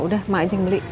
udah mak aja yang beli